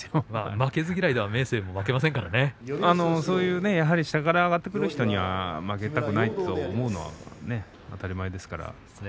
負けず嫌いでは明生も負けませんからね下から上がってくる人には負けたくないというのは当たり前ですからね。